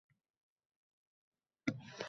Axir, u kashfiyot qildi-ku!